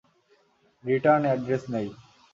Return address নেই।